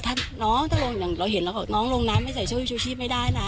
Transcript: ถ้าน้องเราเห็นน้องลงน้ำไม่ใส่ชูชีพไม่ได้นะ